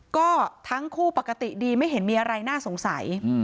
ก็ทั้งคู่ปกติดีไม่เห็นมีอะไรน่าสงสัย